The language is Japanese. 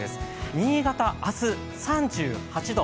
新潟、明日、３８度。